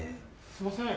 すいません